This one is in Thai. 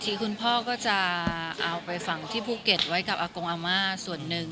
คุณพ่อก็จะเอาไปฝังที่ภูเก็ตไว้กับอากงอาม่าส่วนหนึ่ง